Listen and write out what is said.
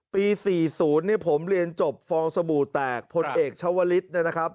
ปี๔๐ผมเรียนจบฟองสบู่แตกผลเอกชาวลิศนะครับ